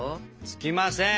つきません！